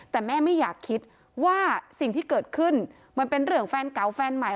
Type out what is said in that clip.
แต่แม่ไม่อยากคิดว่าสิ่งที่เกิดขึ้นมันเป็นเรื่องแฟนเก่าแฟนใหม่